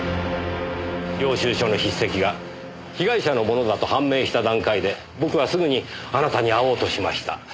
領収書の筆跡が被害者のものだと判明した段階で僕はすぐにあなたに会おうとしました。